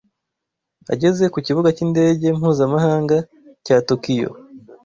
Ageze ku Kibuga cy’indege mpuzamahanga cya Tokiyo.